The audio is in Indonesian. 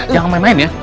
jangan main main ya